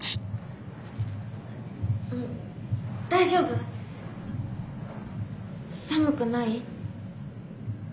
「大丈夫？寒くない？」。